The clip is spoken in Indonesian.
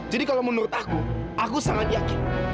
jadi kalau menurut aku aku sangat yakin